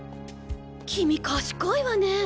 君賢いわね。